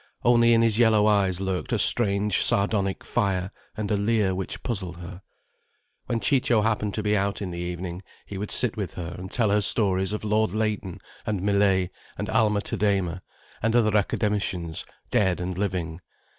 Only in his yellow eyes lurked a strange sardonic fire, and a leer which puzzled her. When Ciccio happened to be out in the evening he would sit with her and tell her stories of Lord Leighton and Millais and Alma Tadema and other academicians dead and living.